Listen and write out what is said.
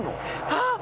あっ！